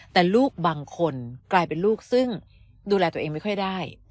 แต่ลูกบางคนกลายเป็นลูกซึ่งดูแลตัวเองไม่ค่อยได้